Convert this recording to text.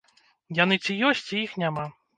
Яны ці ёсць, ці іх няма.